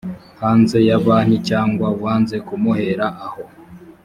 hanze ya banki cyangwa wanze kumuhera aho